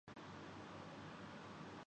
اور اپنی نوعیت کا پہلا زلزلہ تھا